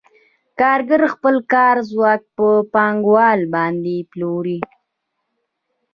کارګر خپل کاري ځواک په پانګوال باندې پلوري